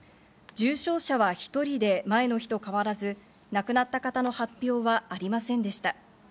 重症者は１人で前の日と変わらず、亡くなった方の発表はありませんでした。